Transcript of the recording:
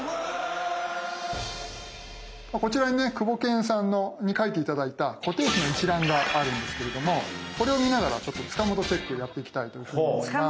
こちらにねクボケンさんに書いて頂いた固定費の一覧があるんですけれどもこれを見ながら塚本チェックをやっていきたいというふうに思います。